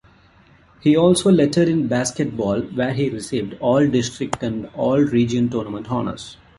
He also lettered in basketball, where he received All-district and All Region Tournament honors.